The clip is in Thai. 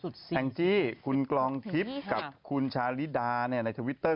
แองจี้คุณกรองทิพย์กับคุณชาลิดาในทวิตเตอร์